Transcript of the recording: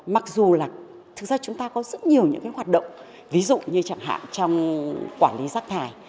mặc dù là thực ra chúng ta có rất nhiều những hoạt động ví dụ như chẳng hạn trong quản lý rác thải